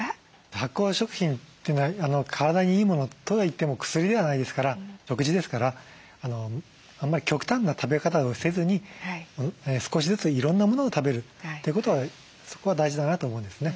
発酵食品って体にいいものとはいっても薬ではないですから食事ですからあんまり極端な食べ方をせずに少しずついろんなものを食べるということはそこは大事だなと思うんですね。